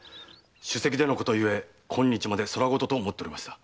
酒席でのことゆえ空言と思っておりました。